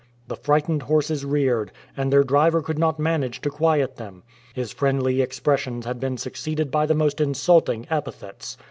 The frightened horses reared, and their driver could not manage to quiet them. His friendly expressions had been succeeded by the most insulting epithets.